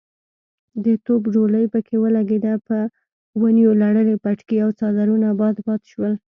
د توپ ډولۍ پکې ولګېده، په ونيو لړلي پټکي او څادرونه باد باد شول.